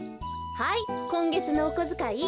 はいこんげつのおこづかい。